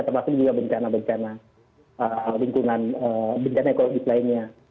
termasuk juga bencana bencana lingkungan bencana ekologis lainnya